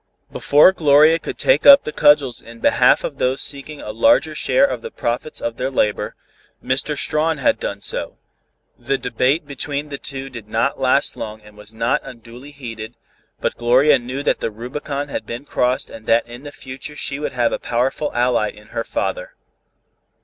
Before Gloria could take up the cudgels in behalf of those seeking a larger share of the profits of their labor, Mr. Strawn had done so. The debate between the two did not last long and was not unduly heated, but Gloria knew that the Rubicon had been crossed and that in the future she would have a powerful ally in her father.